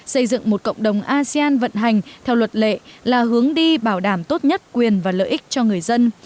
xây dựng một cộng đồng asean vận hành theo luật lệ là hướng đi bảo đảm tốt nhất quyền và lợi ích cho người dân